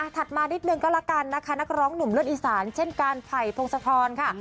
มานิดนึงก็ละกันนะคะนักร้องหนุ่มเลือดอีสานเช่นการไผ่พงศธรค่ะ